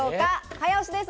早押しです。